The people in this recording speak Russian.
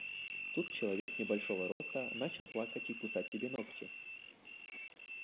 Тут человек небольшого роста начал плакать и кусать себе ногти.